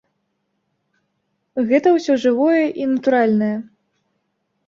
Гэта ўсё жывое і натуральнае.